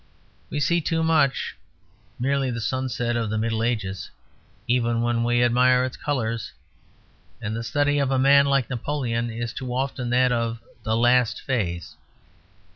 We see too much merely the sunset of the Middle Ages, even when we admire its colours; and the study of a man like Napoleon is too often that of "The Last Phase."